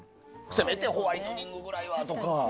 せめてホワイトニングくらいは。